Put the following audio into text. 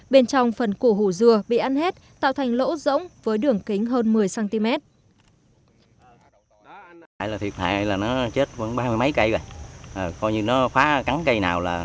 bên trong phần cổ hù dừa bị ăn hết tạo thành lỗ rỗng với đường kính hơn một mươi cm